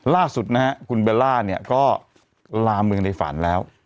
ล่าสุดนะฮะคุณเบลล่าเนี่ยก็ลาเมืองในฝันแล้ว